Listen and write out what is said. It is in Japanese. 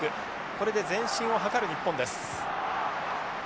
これで前進を図る日本です。